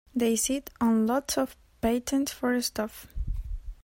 They sit on lots of patents for stuff.